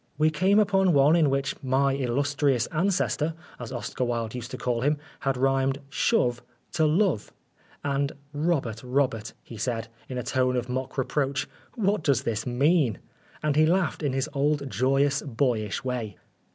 We came upon one in which my 'illustrious ancestor/ as Oscar Wilde used to call him, had rhymed ' shove ' to 'love'; and "Robert, Robert," he said, in a tone of mock reproach, " what does this mean ?" And he laughed in his old joyous, boyish way.